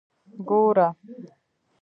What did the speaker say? ګوره.